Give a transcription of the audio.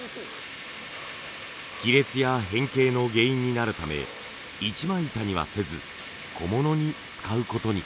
亀裂や変形の原因になるため一枚板にはせず小物に使うことに。